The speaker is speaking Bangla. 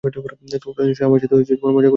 তোরা নিশ্চয়ই আমার সাথে মজা করছিস।